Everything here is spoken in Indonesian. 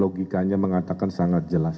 logikanya mengatakan sangat jelas